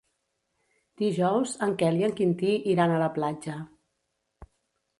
Dijous en Quel i en Quintí iran a la platja.